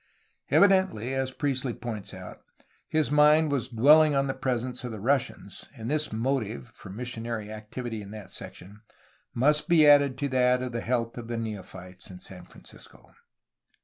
Evidently, as Priestley points out, his mind *Vas dwelling on the presence of the Russians, and this motive [for missionary activity in that section] must be added to that of the health of the neophytes of San Francisco."